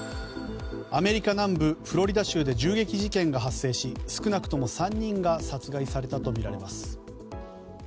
アメリカ南部フロリダ州で銃撃事件が発生し少なくとも３人が殺害されたとみられます。